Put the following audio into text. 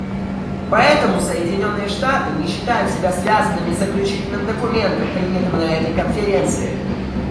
Поэтому Соединенные Штаты не считают себя связанными Заключительным документом, принятым на этой Конференции.